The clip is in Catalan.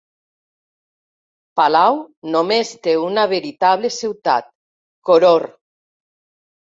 Palau només té una veritable ciutat, Koror.